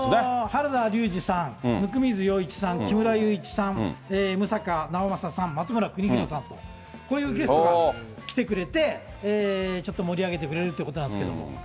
原田龍二さん、温水洋一さん、木村祐一さん、六平直政さん、松村邦洋さんと、こういうゲストが来てくれて、ちょっと盛り上げてくれるということなんですけれども。